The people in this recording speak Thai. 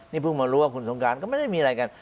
นี่เพิ่งมารู้ว่าคุณสงการก็ไม่ได้มีอะไรกัน